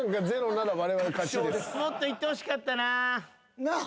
もっといってほしかったな。なあ。